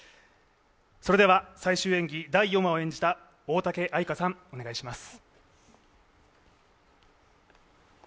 それでは最終演技、第４話を演じた大嵩愛花さん、お願いいたします。